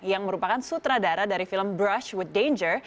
yang merupakan sutradara dari film brush with danger